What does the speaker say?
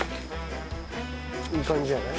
いい感じじゃない？